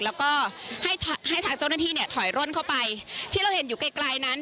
แล้วก็ให้ให้ทางเจ้าหน้าที่เนี่ยถอยร่นเข้าไปที่เราเห็นอยู่ไกลไกลนั้น